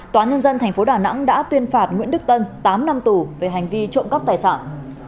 tòa nhân dân tp đà nẵng đã tuyên phạt nguyễn đức tân tám năm tù về hành vi trộm cắp tài sản